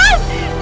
itu untuk papi